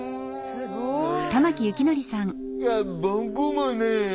すごいな。